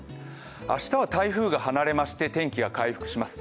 明日は台風が離れまして天気が回復します。